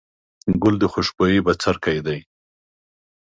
ګل د خوشبويي بڅرکی دی.